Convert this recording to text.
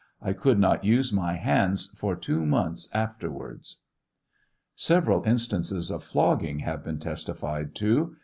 I could not use my hands for two months afterwards. Several instances of flogging have been testified to.